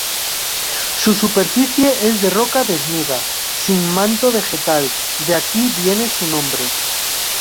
Su superficie es de roca desnuda, sin manto vegetal, de aquí viene su nombre.